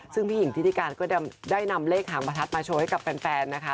ซึ่งพี่หญิงทิติการก็ได้นำเลขหางประทัดมาโชว์ให้กับแฟนนะคะ